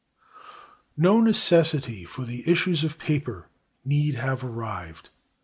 No necessity for the issues of paper need have arrived.